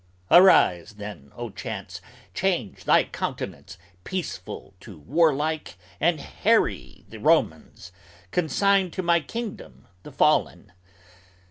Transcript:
Arise, then, O Chance, change thy countenance peaceful to warlike And harry the Romans, consign to my kingdom the fallen.